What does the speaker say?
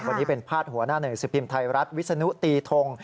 วันนี้เป็นพาดหัวหน้าหนึ่งสิบพิมพ์ไทยรัฐวิศนุตีทง